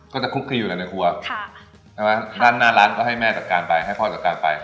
จะคุกคลีอยู่เลยในครัวใช่ไหมด้านหน้าร้านก็ให้แม่จัดการไปให้พ่อจัดการไป